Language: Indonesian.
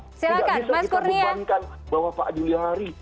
tidak bisa kita bebankan bahwa pak juliari